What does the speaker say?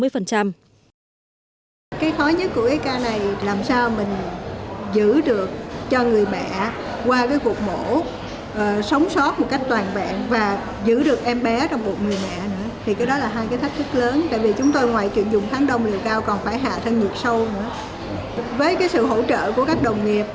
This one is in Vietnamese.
với sự hỗ trợ của các đồng nghiệp